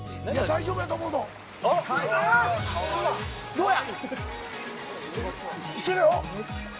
どうや。